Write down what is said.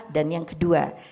dan yang kedua